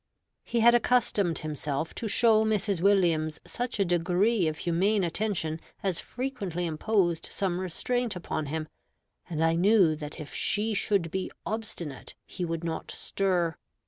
He had accustomed himself to show Mrs. Williams such a degree of humane attention as frequently imposed some restraint upon him; and I knew that if she should be obstinate, he would not stir.